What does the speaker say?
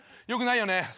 よくないね。